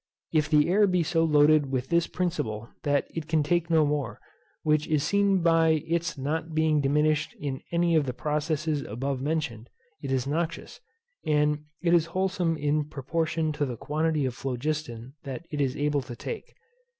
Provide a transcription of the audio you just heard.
If the air be so loaded with this principle that it can take no more, which is seen by its not being diminished in any of the processes above mentioned, it is noxious; and it is wholesome in proportion to the quantity of phlogiston that it is able to take.